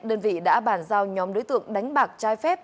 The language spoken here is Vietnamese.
đơn vị đã bàn giao nhóm đối tượng đánh bạc trái phép